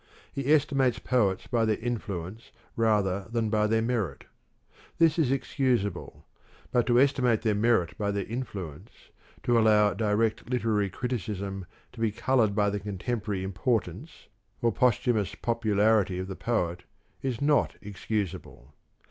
He estimates poets by their influence rather than by their merit; this is excusable; but to estimate their merit by their influence, to allow direct literary criticism to be coloured by the contemporary importance or posthumous popularity of the poet, is not excusable.